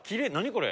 これ。